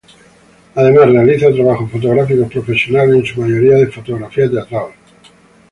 Además realiza trabajos fotográficos profesionales, en su mayoría en Fotografía Teatral.